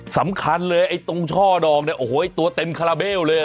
สำคัญเลยไอ้ตรงช่อดอกเนี่ยโอ้โหตัวเต็มคาราเบลเลย